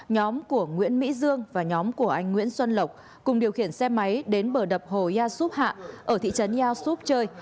nhóm của nguyễn mỹ dương và nhóm của anh nguyễn xuân lộc cùng điều khiển xe máy đến bờ đập hồ gia xúp hạ ở thị trấn gia xúp chơi